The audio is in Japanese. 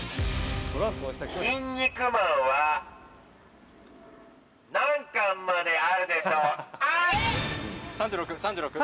キン肉マンは何巻まであるでしょうか？